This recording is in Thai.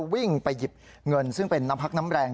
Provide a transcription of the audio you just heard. วิ่งไปหยิบเงินซึ่งเป็นน้ำพักน้ำแรง